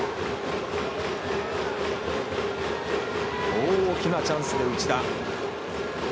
大きなチャンスで内田。